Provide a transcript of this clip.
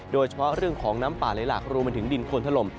โดยเฉพาะเรื่องของน้ำป่าไหลหลากรวมมาถึงดินโคนถล่ม